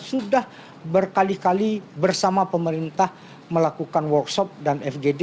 sudah berkali kali bersama pemerintah melakukan workshop dan fgd